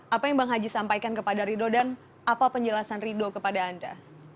apa yang bang haji sampaikan kepada ridho dan apa penjelasan ridho kepada anda